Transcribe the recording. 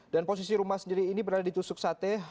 dan posisi rumah sendiri ini berada di tusuk sateh